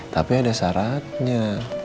tapi ada syaratnya